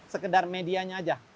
sekedar medianya aja